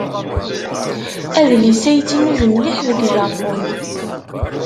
Adlis-a yettnuz mliḥ deg Japun.